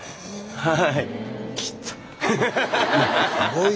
はい。